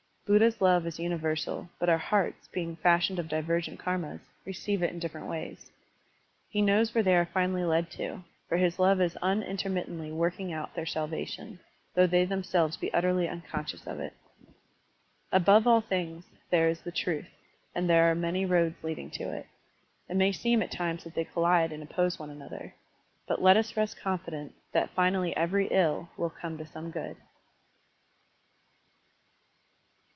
Buddha's love is tmiversal, but our hearts, being fashioned of divergent karmas, receive it in different ways. He knows where they are finally led to, for his love is tmintermittently working out their salvation, though they themselves be utterly unconscious of it. Above all things, there is the truth, and there are many roads leading to it. It may seem at times that they collide and oppose one another. But let us rest confident that finally every ill will come to some good.